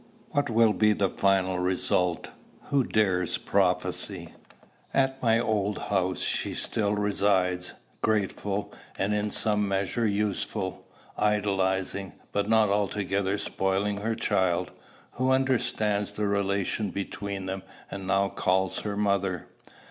What will be the final result, who dares prophesy? At my old home she still resides; grateful, and in some measure useful, idolizing, but not altogether spoiling her child, who understands the relation between them, and now calls her mother.